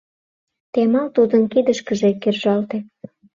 — Темал тудын кидышкыже кержалте.